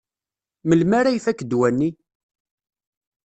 Melmi ara ifak ddwa-nni?